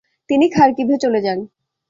তিনি খারকিভে চলে যান।